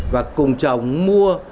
và cùng chồng mua